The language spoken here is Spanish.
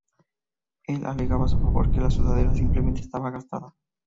Él alegaba a su favor que la sudadera simplemente estaba gastada.